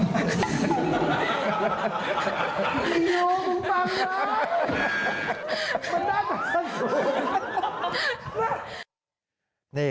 มันน่าจะสนุก